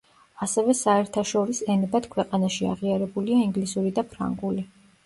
ასევე საერთაშორის ენებად ქვეყანაში აღიარებულია ინგლისური და ფრანგული.